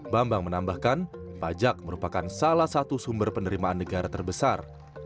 bambang menambahkan pajak merupakan salah satu sumber penerimaan negara terbesar